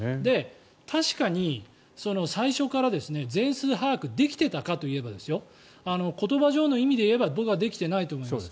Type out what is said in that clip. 確かに最初から全数把握できてたかと言えば言葉上の意味でいえば僕はできていないと思います。